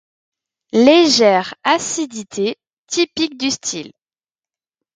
Légère acidité, typique du style.